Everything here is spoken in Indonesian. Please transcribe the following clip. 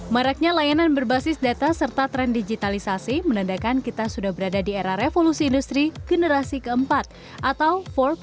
maraknya layanan berbasis data serta tren digitalisasi menandakan kita sudah berada di era revolusi industri generasi keempat atau empat